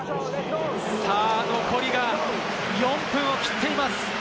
残りが４分を切っています。